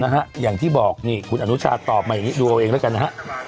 อย่างที่บอกนี่คุณอนุชาตอบมาอย่างนี้ดูเอาเองแล้วกันนะฮะ